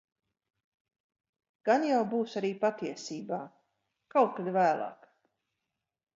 Gan jau būs arī patiesībā. Kaut kad vēlāk.